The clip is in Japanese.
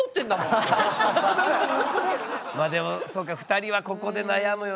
まあでもそうか２人はここで悩むよね。